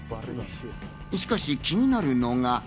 しかし気になるのが。